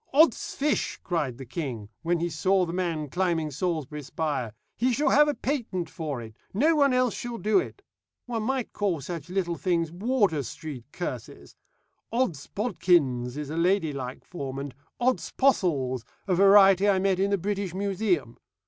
'Od's fish,' cried the king, when he saw the man climbing Salisbury spire; 'he shall have a patent for it no one else shall do it.' One might call such little things Wardour Street curses. 'Od's bodkins' is a ladylike form, and 'Od's possles' a variety I met in the British Museum.